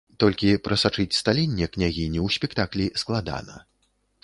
Толькі прасачыць сталенне княгіні ў спектаклі складана.